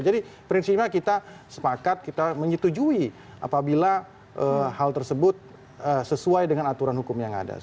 jadi prinsipnya kita sepakat kita menyetujui apabila hal tersebut sesuai dengan aturan hukum yang ada